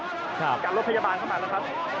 มีการรถพยาบาลเข้ามาแล้วครับ